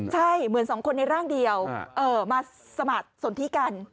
ใช่เหมือนสองคนในร่างเดียวมาสมัครสนทิกัน